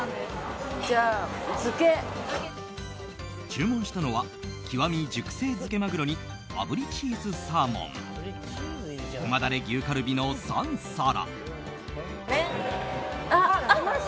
注文したのは極み熟成漬けまぐろにあぶりチーズサーモン旨だれ牛カルビの３皿。